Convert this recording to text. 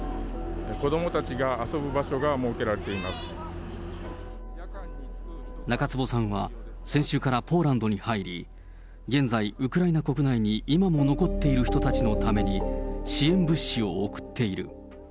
子どもたちが遊ぶ場所が設けられ中坪さんは、先週からポーランドに入り、現在、ウクライナ国内に今も残っている人たちのために、支援物資を送っている。